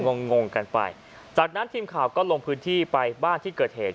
งงงงกันไปจากนั้นทีมข่าวก็ลงพื้นที่ไปบ้านที่เกิดเหตุ